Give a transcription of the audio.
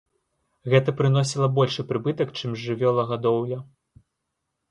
Гэта прыносіла большы прыбытак, чым жывёлагадоўля.